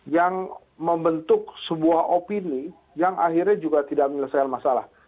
yang membentuk sebuah opini yang akhirnya juga tidak menyelesaikan masalah